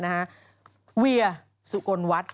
นะคะเวียสุกลวัตน์